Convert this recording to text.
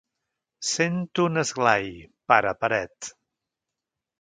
Sento un esglai, pare paret.